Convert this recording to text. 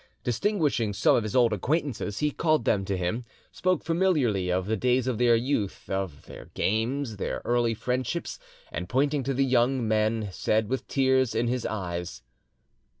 Distinguishing some of his old acquaintances, he called them to him, spoke familiarly of the days of their youth, of their games, their early friendships, and pointing to the young men, said, with tears in his eyes.